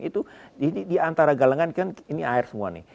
itu di antara galengan kan ini air semua nih